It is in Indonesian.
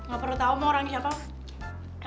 gak perlu tau mau orangnya siapa